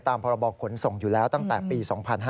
ตามประบอบขนส่งอยู่แล้วตั้งแต่ปี๒๕๒๒